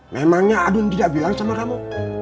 memangnya adun tidak bilang sama kamu